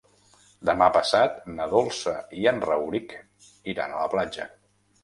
Demà passat na Dolça i en Rauric iran a la platja.